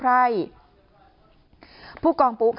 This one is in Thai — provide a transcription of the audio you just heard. ไปเยี่ยมผู้แทนพระองค์